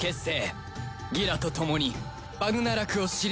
ギラと共にバグナラクを退けた